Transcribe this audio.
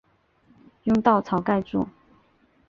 用稻草盖著